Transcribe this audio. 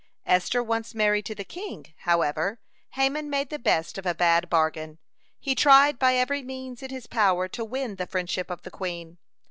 (98) Esther once married to the king, however, Haman made the best of a bad bargain. He tried by every means in his power to win the friendship of the queen.